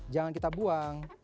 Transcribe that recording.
jangan kita buang